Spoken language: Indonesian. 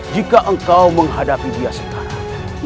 jika engkau menghadapi dia sekarang